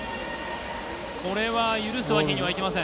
これは許すわけにはいきません。